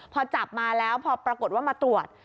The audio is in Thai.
พอจับมาแล้วพอปรากฏว่ามาตรวจ